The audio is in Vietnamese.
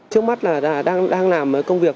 trước mắt là đang làm công việc